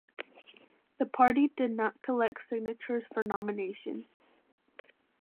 The party did not collect signatures for nomination.